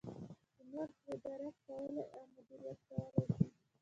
چې نور پرې درک کولای او مدیریت کولای شي.